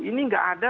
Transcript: ini gak ada